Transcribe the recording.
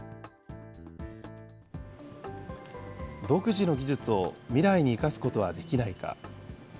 独自の技術を未来に生かすことはできないか。